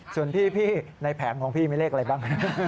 ส่วนพี่ในแผงของพี่มีเลขอะไรบ้าง